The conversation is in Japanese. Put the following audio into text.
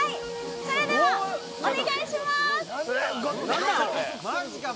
それではお願いします。